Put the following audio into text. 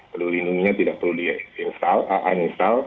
perlu dihidungi tidak perlu di install uninstall